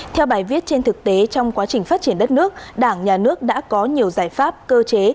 theo bài viết trên thực tế trong quá trình phát triển đất nước đảng nhà nước đã có nhiều giải pháp cơ chế